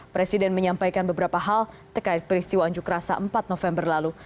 presiden menyampaikan beberapa hal terkait peristiwa unjuk rasa empat november lalu